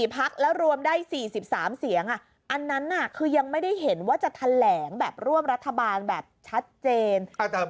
พักแล้วรวมได้๔๓เสียงอันนั้นคือยังไม่ได้เห็นว่าจะแถลงแบบร่วมรัฐบาลแบบชัดเจน